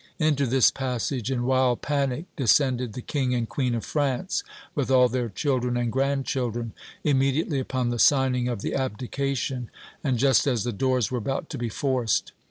Into this passage, in wild panic, descended the King and Queen of France, with all their children and grandchildren, immediately upon the signing of the abdication, and just as the doors were about to be forced.